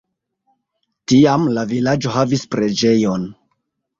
Tiam la vilaĝo havis preĝejon.